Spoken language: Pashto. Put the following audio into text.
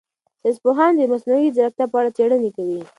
ساینس پوهان د مصنوعي ځیرکتیا په اړه څېړنې کوي.